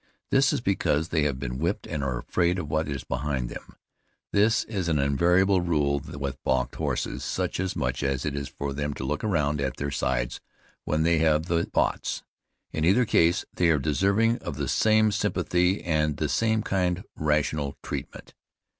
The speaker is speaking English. This is because they have been whipped and are afraid of what is behind them. This is an invariable rule with balked horses, just as much as it is for them to look around at their sides when they have the bots; in either case they are deserving of the same sympathy and the same kind, rational treatment.